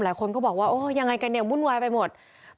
หลายคนก็บอกว่าโอ้ยังไงกันเนี่ยวุ่นวายไปหมด